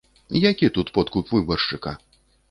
Які тут подкуп выбаршчыка?